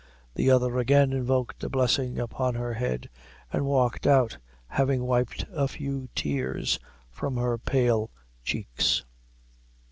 The other again invoked a blessing upon her head, and walked out, having wiped a few tears from her pale cheeks.